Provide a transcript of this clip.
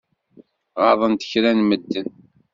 Ɣaḍent kra n medden.